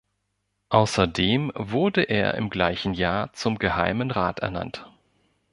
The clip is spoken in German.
Außerdem wurde er im gleichen Jahr zum Geheimen Rat ernannt.